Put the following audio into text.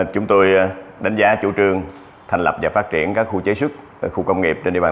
chúng tôi đánh giá chủ trương thành lập và phát triển các khu chế xuất khu công nghiệp trên địa bàn